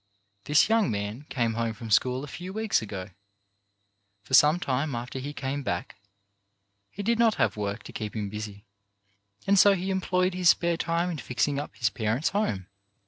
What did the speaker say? This young man came home from school a few weeks ago. For some time after he came back he did not have work to keep him busy, and so he employed his spare time in fixing up his parents' home.